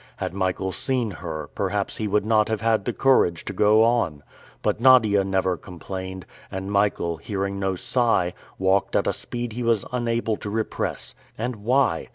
Had Michael seen her, perhaps he would not have had the courage to go on. But Nadia never complained, and Michael, hearing no sigh, walked at a speed he was unable to repress. And why?